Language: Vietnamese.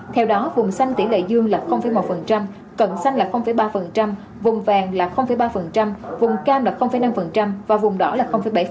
theo đó vùng xanh tỷ lệ dương là một cận xanh là ba vùng vàng là ba vùng cam là năm và vùng đỏ là bảy